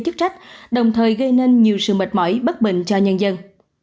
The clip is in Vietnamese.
chức trách đồng thời gây nên nhiều sự mệt mỏi bất bình cho nhân dân